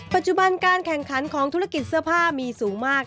ปัจจุบันการแข่งขันของธุรกิจเสื้อผ้ามีสูงมาก